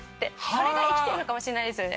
それが生きてるのかもしれないですよね。